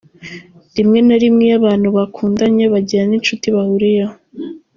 Rimwe na rimwe iyo abantu bakundanye bagira n’inshuti bahuriyeho.